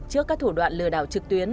trước các thủ đoạn lừa đảo trực tuyến